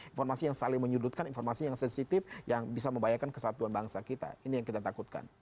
informasi yang saling menyudutkan informasi yang sensitif yang bisa membahayakan kesatuan bangsa kita ini yang kita takutkan